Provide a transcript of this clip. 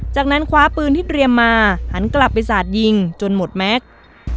จากนั้นคว้าปืนที่เตรียมมาหันกลับไปสาดยิงจนหมดแม็กซ์